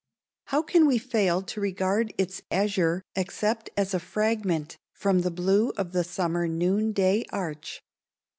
_ How can we fail to regard its azure except as a fragment from the blue of the summer noonday arch?